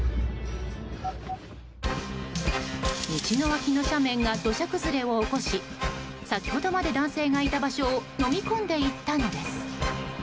道の脇の斜面が土砂崩れを起こし先ほどまで男性がいた場所をのみ込んでいったのです。